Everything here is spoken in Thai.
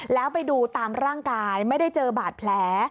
แล้วไปดูตามร่างกายไม่ได้เจอบาดแผล